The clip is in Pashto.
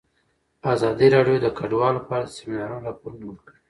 ازادي راډیو د کډوال په اړه د سیمینارونو راپورونه ورکړي.